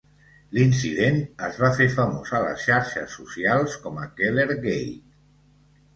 L'incident es va fer famós a les xarxes socials com a KellerGate.